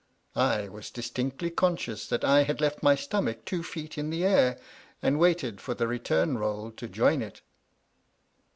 I was distinctly conscious that I had left my stomach two feet in the air, and waited for the return roll to join it.